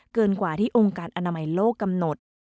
เกินกว่าที่องค์การอนามัยโลกกำหนด